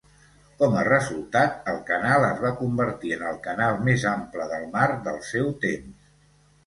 Com a resultat, el canal es va convertir en el canal més ample del mar del seu temps.